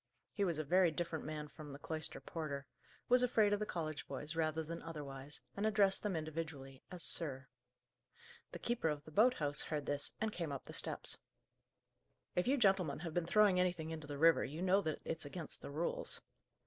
He was a very different man from the cloister porter; was afraid of the college boys, rather than otherwise, and addressed them individually as "sir." The keeper of the boat house heard this, and came up the steps. "If you gentlemen have been throwing anything into the river you know that it's against the rules."